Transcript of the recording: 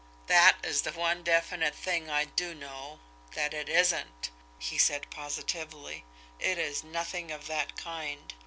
"That is the one definite thing I do know that it isn't!" he said positively. "It is nothing of that kind.